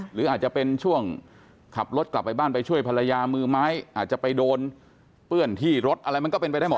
หรืออาจจะเป็นช่วงขับรถกลับไปบ้านไปช่วยภรรยามือไม้อาจจะไปโดนเปื้อนที่รถอะไรมันก็เป็นไปได้หมด